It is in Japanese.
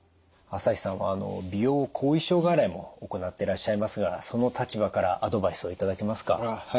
朝日さんは美容後遺症外来も行ってらっしゃいますがその立場からアドバイスを頂けますか？